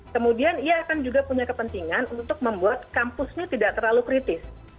kemudian ia akan juga punya kepentingan untuk membuat kampusnya tidak terlalu kritis